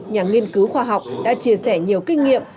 nhà nghiên cứu khoa học đã chia sẻ nhiều kinh nghiệm